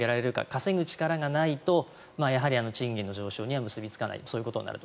稼ぐ力がないと賃金の上昇には結びつかないと。